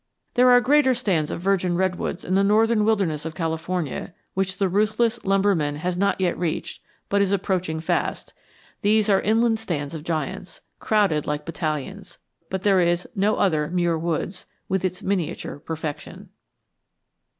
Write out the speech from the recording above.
There are greater stands of virgin redwoods in the northern wilderness of California which the ruthless lumberman has not yet reached but is approaching fast; these are inland stands of giants, crowded like battalions. But there is no other Muir Woods, with its miniature perfection.